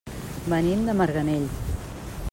Venim de Marganell.